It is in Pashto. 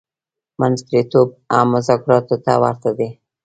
منځګړتوب هم مذاکراتو ته ورته دی.